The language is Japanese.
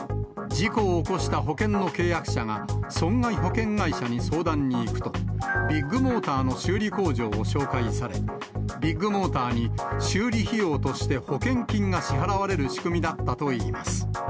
事故を起こした保険の契約者が、損害保険会社に相談に行くと、ビッグモーターの修理工場を紹介され、ビッグモーターに、修理費用として保険金が支払われる仕組みだったといいます。